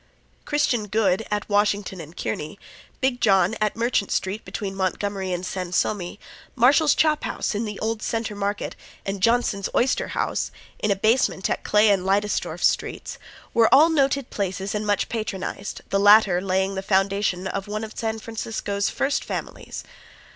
Christian Good, at Washington and Kearny, Big John, at Merchant street between Montgomery and Sansome, Marshall's Chop House, in the old Center Market, and Johnson's Oyster House, in a basement at Clay and Leidesdorff streets, were all noted places and much patronized, the latter laying the foundation of one of San Francisco's "First Families."